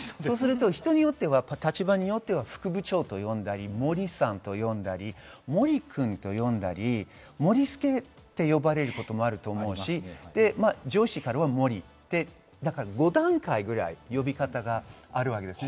人によっては立場によっては副部長と呼んだり、森さんと呼んだり、森君と呼んだり、モリスケって呼ばれることもあると思うし、上司からは森、５段階ぐらい呼び方があるわけです。